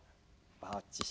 バッチシ。